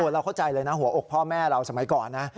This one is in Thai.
เราเข้าใจเลยนะหัวอกพ่อแม่เราสมัยก่อนนะ